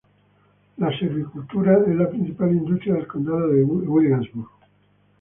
La silvicultura es la principal industria en el Condado de Williamsburg.